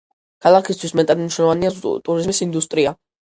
ქალაქისთვის მეტად მნიშვნელოვანია ტურიზმის ინდუსტრია.